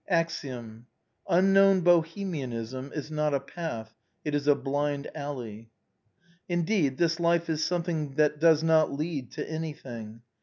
Axiom, " Unknown Bohemianism is not a path, it is a blind alley." Indeed, this life is something that does not lead to anything.